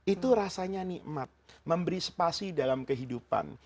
itu rasanya nikmat memberi spasi dalam kehidupan